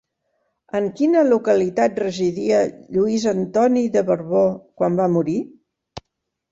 En quina localitat residia Lluís Antoni de Borbó quan va morir?